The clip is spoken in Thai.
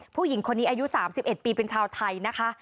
ผู้หญิงคนนี้อายุ๓๑ปีเป็นชาวไทยนะคะ